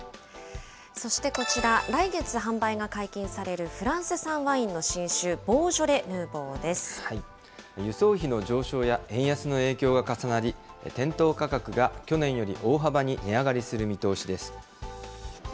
そしてこちら、来月販売が解禁されるフランス産ワインの新酒、輸送費の上昇や円安の影響が重なり、店頭価格が去年より大幅に値上がりする見通しです。